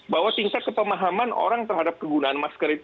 bahwa tingkat kepemahaman orang terhadap kegunaan masyarakat